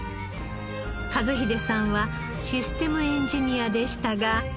和秀さんはシステムエンジニアでしたが。